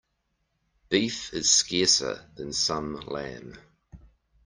Beef is scarcer than some lamb.